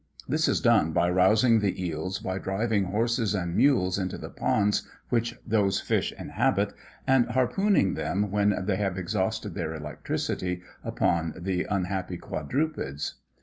This is done by rousing the eels by driving horses and mules into the ponds which those fish inhabit, and harpooning them when they have exhausted their electricity upon the unhappy quadrupeds.